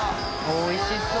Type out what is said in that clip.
おいしそう。